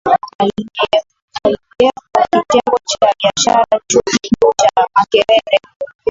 aliyeko Kitengo cha Biashara Chuo Kikuu cha Makerere